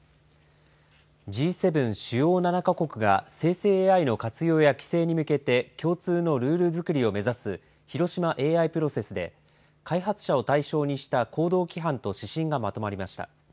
Ｇ７、主要７か国が生成ＡＩの活用や規制に向けて共通のルールづくりを目指す広島ＡＩプロセスで開発者を対象にした行動規範と指針がまとまりました。